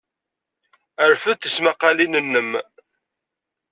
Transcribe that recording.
Rfed tismaqqalin-nnem.